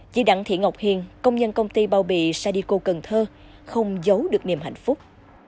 chị đặng thị ngọc hiền công nhân công ty bao bị sadiko cần thơ không giấu được niềm hạnh phúc